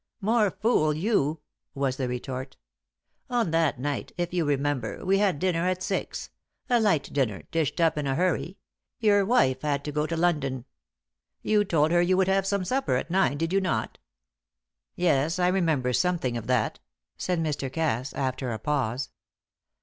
"More fool you!" was the retort. "On that night, if you remember, we had dinner at six a light dinner, dished up in a hurry your wife had to go to London; you told her you would have some supper at nine, did you not?" "Yes, I remember something of that," said Mr. Cass, after a pause.